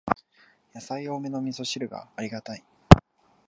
やさい多めのみそ汁がありがたい